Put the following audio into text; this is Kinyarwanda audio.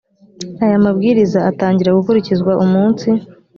aya mabwiriza atangira gukurikizwa umunsi